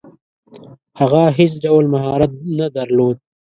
هغه هیڅ ډول مهارت نه درلود.